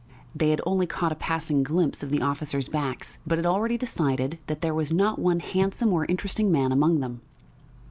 They had only caught a passing glimpse of the officers' backs, but had already decided that there was not one handsome or interesting man among them....